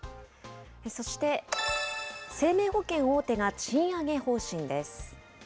そして生命保険大手が賃上げ方針です。